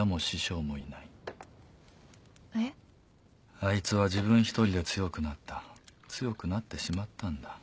あいつは自分１人で強くなった強くなってしまったんだ。